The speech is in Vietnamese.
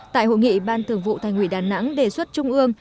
tại hội nghị ban thường vụ thành ủy đà nẵng đề xuất trung ương